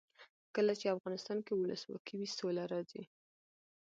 کله چې افغانستان کې ولسواکي وي سوله راځي.